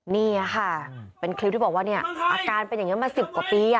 นี่ค่ะเป็นคลิปที่บอกว่าเนี่ยอาการเป็นอย่างนี้มา๑๐กว่าปี